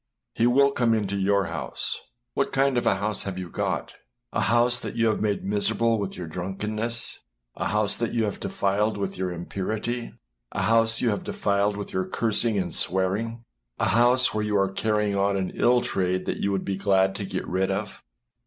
He will come into your house. What kind of a house have you got? A house that you have made miserable with your drunkenness â a house that you have defiled with your impurity â a house you have defiled with your cursing and swearing â a house where you are carrying on an ill trade that you would be glad to get rid of.